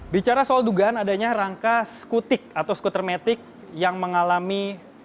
bicara soal dugaan adanya rangka skutik atau skuter metik yang mengalami